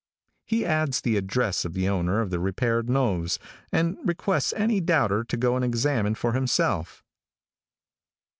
He adds the address of the owner of the repaired nose, and requests any doubter to go and examine for himself.